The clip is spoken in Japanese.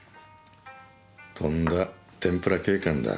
とんだてんぷら警官だ。